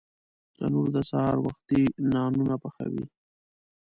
تنور د سهار وختي نانونه پخوي